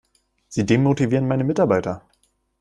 Sie demotivieren meine Mitarbeiter!